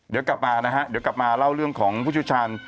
เดี๋ยวกลับมานะฮะเดี๋ยวกลับมาเล่าเรื่องของผู้เชี่ยวชาญ